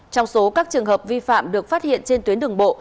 trong số các trường hợp vi phạm được phát hiện trên tuyến đường bộ